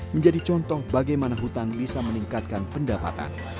menjadi contoh bagaimana hutan bisa meningkatkan pendapatan